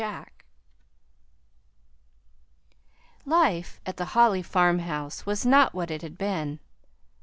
JACK Life at the Holly farmhouse was not what it had been.